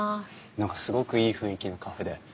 何かすごくいい雰囲気のカフェで。